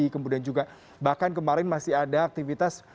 kemudian juga bahkan kemarin masih ada aktivitas